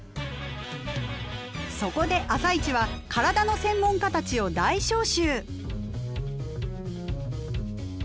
そこで「あさイチ」は体の専門家たちを大招集！